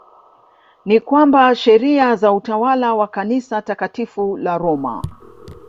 Ni kwamba sheria za utawala wa kanisa Takatifu la Roma